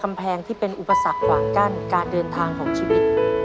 กำแพงที่เป็นอุปสรรคขวางกั้นการเดินทางของชีวิต